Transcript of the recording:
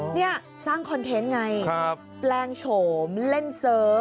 นี่สร้างคอนเทนต์ไงแปลงโฉมเล่นเสิร์ฟ